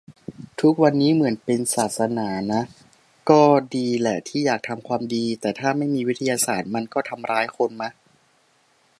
ทุกวันนี้เหมือนเป็นศาสนานะ ก็ดีแหละที่อยากทำความดี แต่ถ้าไม่มีวิทยาศาสตร์มันก็ทำร้ายคนมะ